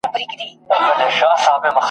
د تعلیم او د پوهني په زور کېږي !.